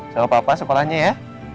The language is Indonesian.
sama papa sekolahnya ya